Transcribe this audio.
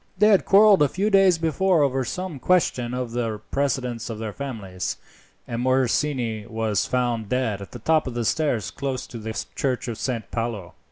They had quarrelled a few days before over some question of the precedence of their families, and Morosini was found dead at the top of the steps close to the church of Saint Paolo.